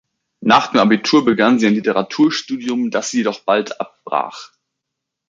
Nach dem Abitur begann sie ein Literaturstudium, das sie jedoch bald abbrach.